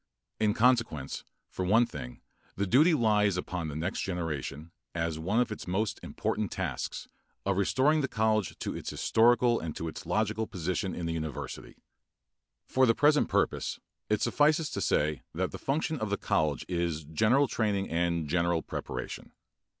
In consequence for one thing the duty lies upon the next generation, as one of its most important tasks, of restoring the college to its historical and to its logical position in the university. For the present purpose it suffices to say that the function of the college is general training and general preparation.